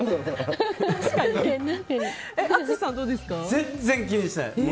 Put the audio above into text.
全然気にしない。